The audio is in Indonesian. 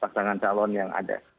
saksangan calon yang ada